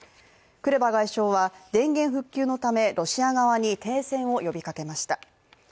クレバ外相は電源復旧のためロシア側に停戦を呼びかけました。